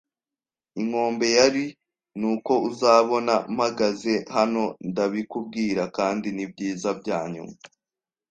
inkombe ya lee, nuko uzabona. Mpagaze hano ndabikubwira; kandi nibyiza byanyuma